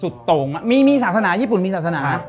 ตรงมีศาสนาญี่ปุ่นมีศาสนา